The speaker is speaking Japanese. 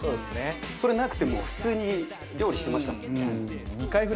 それなくてもう普通に料理してましたもん。